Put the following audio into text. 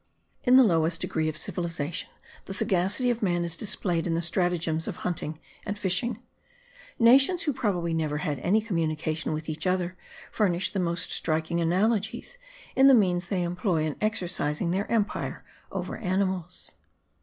In the lowest degree of civilization, the sagacity of man is displayed in the stratagems of hunting and fishing: nations who probably never had any communication with each other furnish the most striking analogies in the means they employ in exercising their empire over animals.